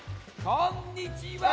こんにちは！